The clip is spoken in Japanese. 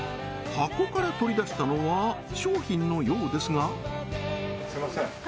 箱から取り出したのは商品のようですがすいません